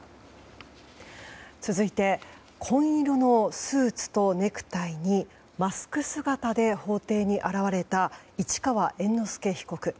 続いて紺色のスーツとネクタイにマスク姿で法廷に現れた市川猿之助被告。